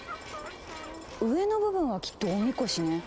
上の部分はきっとおみこしね。